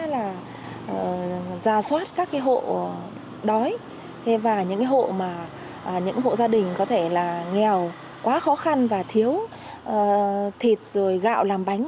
là ra soát các hộ đói và những hộ gia đình có thể là nghèo quá khó khăn và thiếu thịt rồi gạo làm bánh